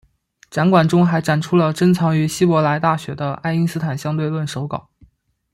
展馆中还展出了珍藏于希伯来大学的爱因斯坦相对论手稿。